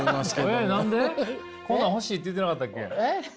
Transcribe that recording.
こんなん欲しいって言ってなかったっけ？